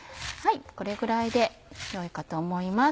これぐらいでよいかと思います。